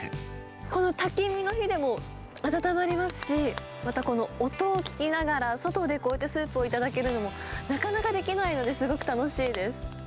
このたき火の火でも温まりますし、またこの音を聞きながら、外でこうやってスープを頂けるのも、なかなかできないので、すごく楽しいです。